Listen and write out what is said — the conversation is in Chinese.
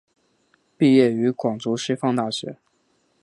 毕业于广州师范大学。